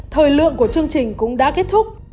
thời lượng của chương trình cũng đã kết thúc